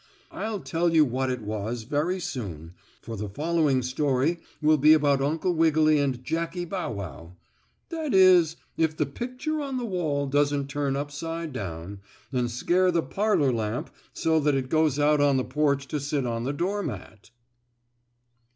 I'll tell you what it was very soon for the following story will be about Uncle Wiggily and Jackie Bow Wow that is, if the picture on the wall doesn't turn upside down and scare the parlor lamp so that it goes out on the porch to sit on the door mat.